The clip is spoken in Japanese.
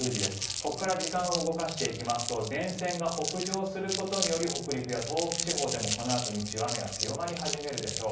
ここから時間を動かしていきますと前線が北上することにより北陸や東北地方でもこのあと日中雨が強まり始めるでしょう。